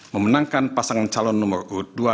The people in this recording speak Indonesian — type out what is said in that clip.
memenangkan pasangan calon nomor kedua